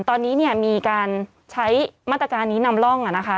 ตอนนี้เนี่ยมีการใช้มาตรการนี้นำร่อง